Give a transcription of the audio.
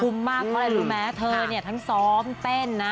คุ้มมากเพราะลายดูแม้คุณเนี้ยทั้งซ้อมเต้นนะ